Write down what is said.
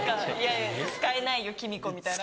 「使えないよキミコ」みたいな。